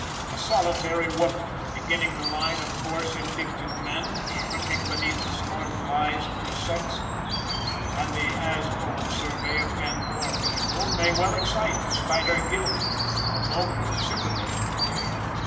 A solitary woman, beginning the line of coarse indicted men, shrinking beneath the scornful eyes of her sex, and the as bold survey of men more pitiful, may well excite, despite her guilt, a moment of sympathy.